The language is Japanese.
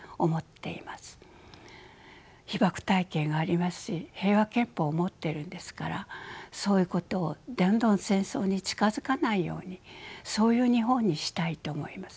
被爆体験ありますし平和憲法を持ってるんですからそういうことをどんどん戦争に近づかないようにそういう日本にしたいと思います。